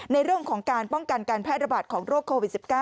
ในเรื่องของการป้องกันการแพร่ระบาดของโรคโควิด๑๙